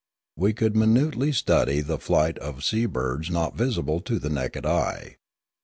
We could minutely study the flight of sea birds not visible to the naked eye.